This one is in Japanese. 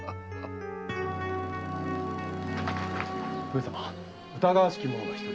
上様疑わしき者が一人。